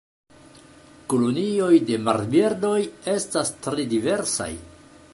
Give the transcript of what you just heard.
Kolonioj de marbirdoj estas tre diversaj.